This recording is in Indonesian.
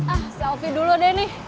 ah selfie dulu deh nih